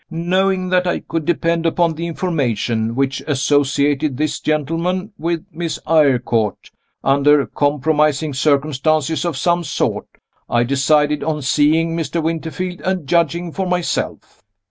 Knowing that I could depend upon the information which associated this gentleman with Miss Eyrecourt, under compromising circumstances of some sort, I decided on seeing Mr. Winterfield, and judging for myself.